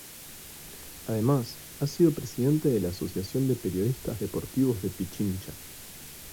Además ha sido presidente de la Asociación de Periodistas Deportivos de Pichincha.